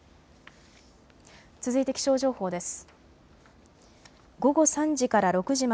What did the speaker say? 続いて気象情報です。